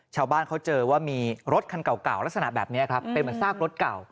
ชาวบ้านเขาเจอว่ามีรถคันเก่าลักษณะแบบนี้ครับเป็นเหมือนซากรถเก่า